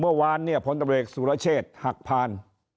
เมื่อวานเนี่ยผลตำรวจเอกสุรเชษฐ์หักพาน